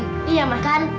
ini nyaman kan